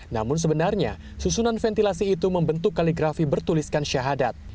namun sebenarnya susunan ventilasi itu membentuk kaligrafi bertuliskan syahadat